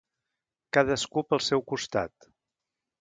Cadascú pel seu costat.